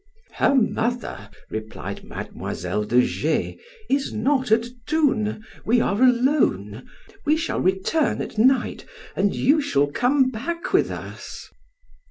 "Her mother," replied Mademoiselle de G is not at Toune, we are alone, we shall return at night, and you shall come back with us."